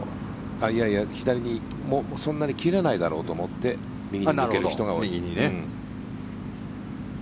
いやいや、左にそんなに切れないだろうと思って右に抜ける人が多い。